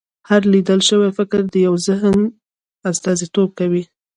هر لیکل شوی فکر د یو ذهن استازیتوب کوي.